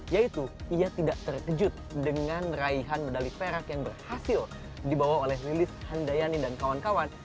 yaitu ia tidak terkejut dengan meraihan medali perak yang berhasil dibawa oleh lilis handayani dan kawan kawan